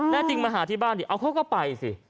จริงมาหาที่บ้านดิเอาเขาก็ไปสิ